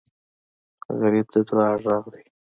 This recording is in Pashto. غریب د دعا غږ دی